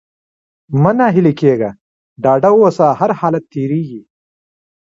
مه ناهيلی کېږه! ډاډه اوسه! هرحالت تېرېږي.